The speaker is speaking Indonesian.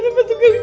sama tukang jamu